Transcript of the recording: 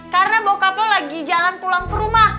karena bokap lo lagi jalan pulang ke rumah